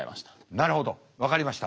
なるほど分かりました。